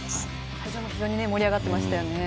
会場も非常に盛り上がっていましたね。